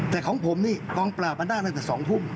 แต่ของผมกองปราบราฟนาตั้งแต่๒ทุ่ม